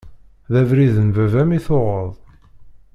D abrid n baba-m i tuɣeḍ.